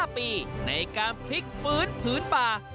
๕ปีในการพลิกฟื้นผืนป่า